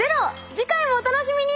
次回もお楽しみに！